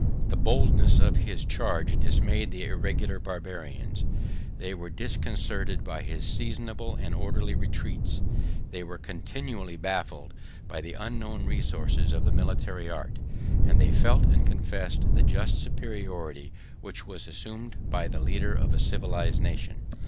The boldness of his charge dismayed the irregular Barbarians; they were disconcerted by his seasonable and orderly retreats; they were continually baffled by the unknown resources of the military art; and they felt and confessed the just superiority which was assumed by the leader of a civilized nation.